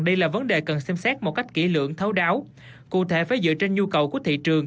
đây là vấn đề cần xem xét một cách kỹ lưỡng thấu đáo cụ thể phải dựa trên nhu cầu của thị trường